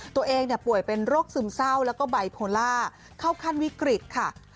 ตัวเองป่วยเป็นโรคซึมเศร้าแล้วก็ไบโพล่าเข้าขั้นวิกฤตค่ะ